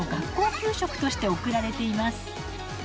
給食として送られています。